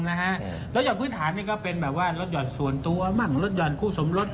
ลดหยอดพื้นฐานนี่ก็เป็นแบบว่าลดหยอดส่วนตัวหลังลดหยอดคู่สมรถ